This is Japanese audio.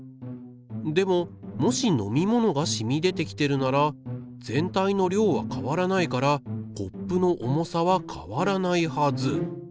でももし飲み物がしみ出てきてるなら全体の量は変わらないからコップの重さは変わらないはず。